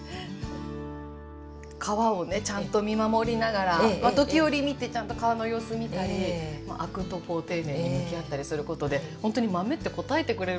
皮をねちゃんと見守りながら時折見てちゃんと皮の様子見たりアクと丁寧に向き合ったりすることでほんとに豆って応えてくれるじゃないですか。